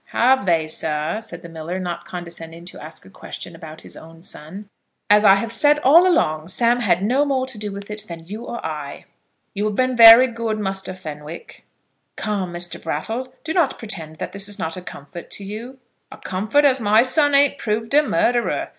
"Have they, sir?" said the miller, not condescending to ask a question about his own son. "As I have said all along, Sam had no more to do with it than you or I." "You have been very good, Muster Fenwick." "Come, Mr. Brattle, do not pretend that this is not a comfort to you." "A comfort as my son ain't proved a murderer!